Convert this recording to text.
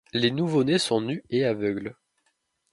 Les nouveau-nés sont nus et aveugles.